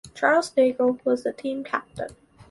Charles Nagle was the team captain.